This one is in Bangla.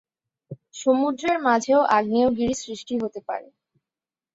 সমুদ্রের মাঝেও আগ্নেয়গিরি সৃষ্টি হতে পারে।